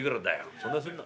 そんなすんの。